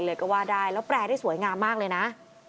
เลยก็ว่าได้แล้วแปลได้สวยงามมากเลยนะ